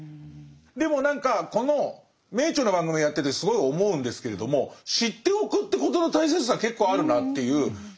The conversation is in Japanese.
でも何かこの「名著」の番組やっててすごい思うんですけれども「知っておく」ということの大切さ結構あるなっていう。